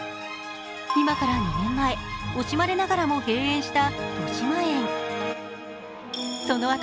今から２年前、惜しまれながらも閉園したとしまえん。